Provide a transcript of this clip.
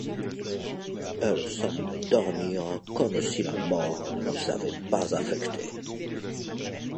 Elles semblaient dormir comme si la mort ne les avait pas affectées.